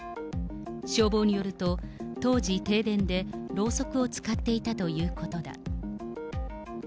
消防によると、当時、停電でろうそくを使っていたということだ。